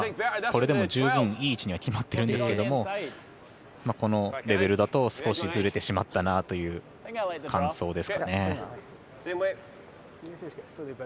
これでも十分、いい位置には決まってるんですけどこのレベルだと少しずれてしまったなという感想ですかね。